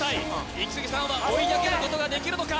イキスギさんは追い上げることができるのか？